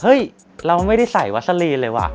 เราไม่ได้ใส่วัสลีนเลยว่ะ